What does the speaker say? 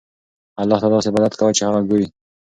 الله ته داسې عبادت کوه چې هغه ګورې.